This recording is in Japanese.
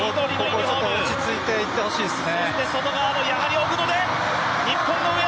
落ち着いていってほしいですね。